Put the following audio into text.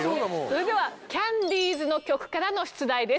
それではキャンディーズの曲からの出題です。